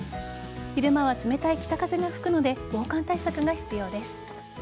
昼間は冷たい北風も吹くので防寒対策が必要です。